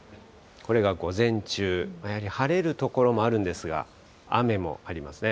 これが午前中、晴れる所もあるんですが、雨もありますね。